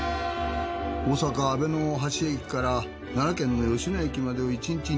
大阪阿部野橋駅から奈良県の吉野駅までを一日